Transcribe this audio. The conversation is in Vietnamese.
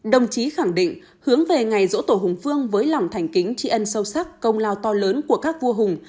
đồng chí khẳng định hướng về ngày dỗ tổ hùng phương với lòng thành kính tri ân sâu sắc công lao to lớn của các vua hùng